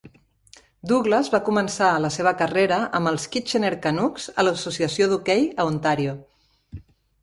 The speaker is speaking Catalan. Douglas va començar la seva carrera amb els Kitchener Canucks a l'associació d'hoquei a Ontario.